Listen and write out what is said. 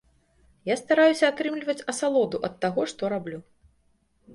Я стараюся атрымліваць асалоду ад таго, што раблю.